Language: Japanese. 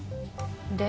で？